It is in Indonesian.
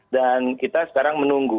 dan kita sekarang menunggu